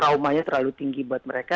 traumanya terlalu tinggi buat mereka